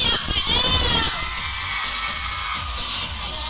อย่างที่เคยเคย